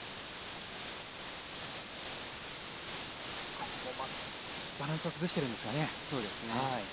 ここもバランスは崩してるんですがね。